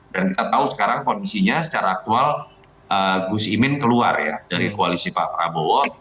dan kita tahu sekarang kondisinya secara aktual gus imin keluar ya dari koalisi pak prabowo